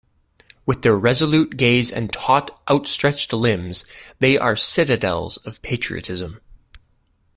With their resolute gaze and taut, outstretched limbs, they are citadels of patriotism.